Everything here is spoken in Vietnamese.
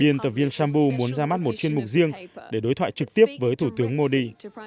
biên tập viên sambou muốn ra mắt một chuyên mục riêng để đối thoại trực tiếp với thủ tướng modi